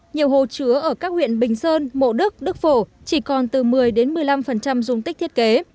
nhiều hồ chứa ở các huyện bình sơn mộ đức đức phổ chỉ còn từ một mươi một mươi năm dung tích thiết kế